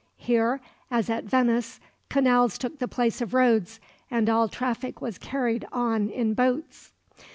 Here, as at Venice, canals took the place of roads, and all traffic was carried on in boats.